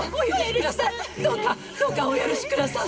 どうかどうかお許しください！